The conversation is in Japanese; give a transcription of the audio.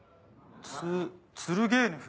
ツツルゲーネフ？